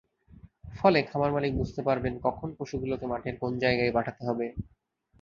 ফলে খামারমালিক বুঝতে পারবেন, কখন পশুগুলোকে মাঠের কোন জায়গায় পাঠাতে হবে।